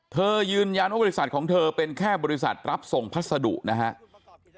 ยืนยันว่าบริษัทของเธอเป็นแค่บริษัทรับส่งพัสดุนะครับ